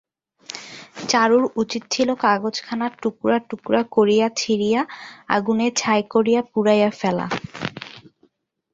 চারুর উচিত ছিল কাগজখানা টুকরা টুকরা করিয়া ছিঁড়িয়া আগুনে ছাই করিয়া পুড়াইয়া ফেলা।